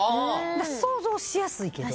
想像しやすいけど。